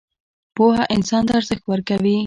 پوهه انسان ته ارزښت ورکوي